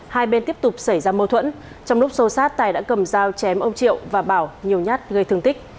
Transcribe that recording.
hai bên tiếp tục xảy ra mâu thuẫn trong lúc sâu sát tài đã cầm dao chém ông triệu và bảo nhiều nhát gây thương tích